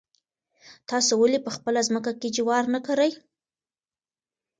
تاسو ولې په خپله ځمکه کې جوار نه کرئ؟